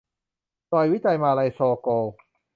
หน่วยวิจัยมาลาเรียโซโกล